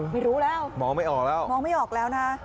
ไม่รู้แล้วมองไม่ออกแล้วมองไม่ออกแล้วนะ